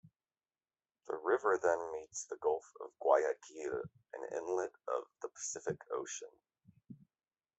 The river then meets the Gulf of Guayaquil, an inlet of the Pacific Ocean.